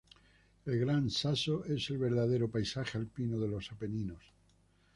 El Gran Sasso es el verdadero paisaje alpino de los Apeninos.